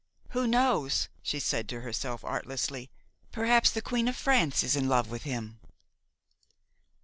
Who knows," she said to herself artlessly, "perhaps the Queen of France is in love with him!"